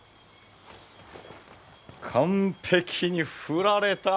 完璧に振られた。